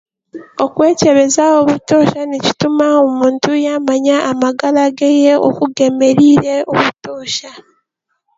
okwekyebeza obutosha nikituma omuntu yaamanya amagara geeye oku geemereire obutoosha